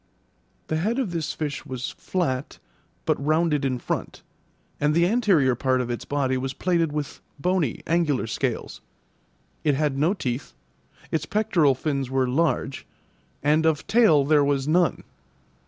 The head of this fish was flat, but rounded in front, and the anterior part of its body was plated with bony, angular scales; it had no teeth, its pectoral fins were large, and of tail there was none.